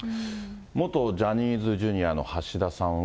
元ジャニーズＪｒ．の橋田さんは。